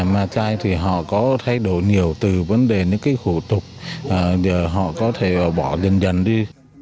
ma chai thì họ có thay đổi nhiều từ vấn đề những khủ tục họ có thể bỏ dần dần đi